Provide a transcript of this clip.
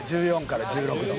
１４から１６度」